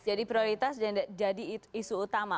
jadi prioritas dan jadi isu utama